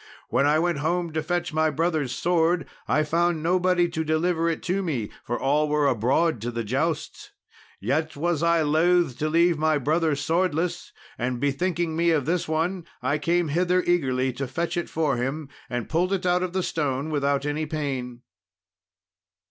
When I went home to fetch my brother's sword, I found nobody to deliver it to me, for all were abroad to the jousts. Yet was I loath to leave my brother swordless, and, bethinking me of this one, I came hither eagerly to fetch it for him, and pulled it out of the stone without any pain."